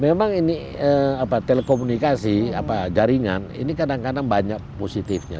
memang ini telekomunikasi jaringan ini kadang kadang banyak positifnya